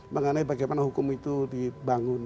mengenai bagaimana hukum itu dibangun